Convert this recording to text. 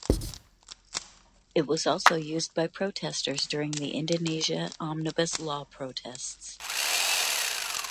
It was also used by protesters during the Indonesia omnibus law protests.